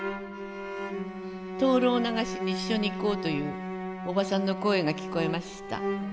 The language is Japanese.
灯籠流しに一緒に行こうというおばさんの声が聞こえました。